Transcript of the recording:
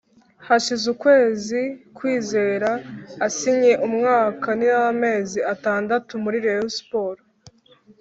Hashize ukwezi Kwizera asinye umwaka n’amezi atandatu muri Rayon Sports